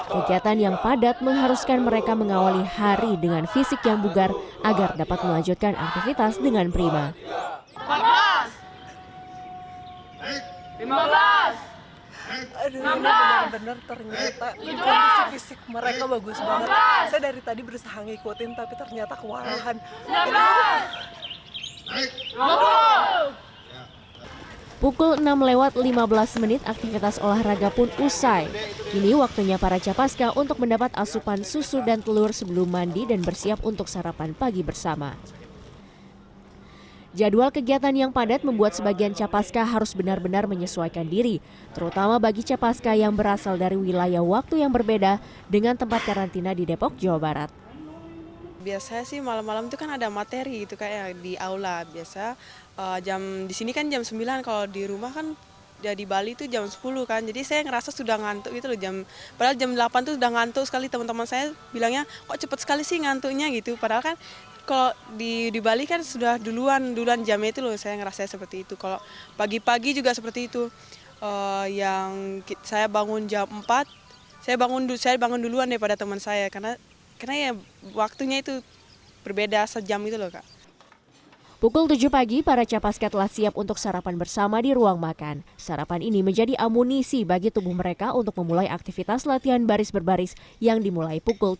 kegiatan yang padat mengharuskan mereka mengawali hari dengan fisik yang bugar agar dapat melanjutkan aktivitas dengan prima